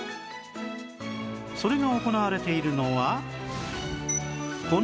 それが行われているのはこの施設